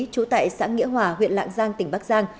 trú tại xã nghĩa hòa huyện lạng giang tỉnh bắc giang